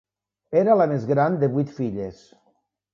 Era la més gran de vuit filles.